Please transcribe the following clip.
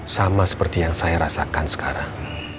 sama seperti yang saya rasakan sekarang